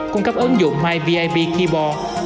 cung cấp ứng dụng myvip keyboard